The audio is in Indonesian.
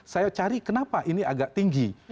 saya cari kenapa ini agak tinggi